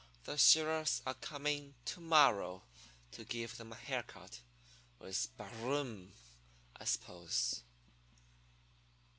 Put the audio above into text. The shearers are coming to morrow to give them a haircut with baa a rum, I suppose.'